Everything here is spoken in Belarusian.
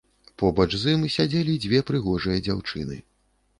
Побач з ім сядзелі дзве прыгожыя дзяўчыны.